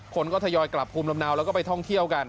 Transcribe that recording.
คนก็ทยอยกลับภูมิลำเนาแล้วก็ไปท่องเที่ยวกัน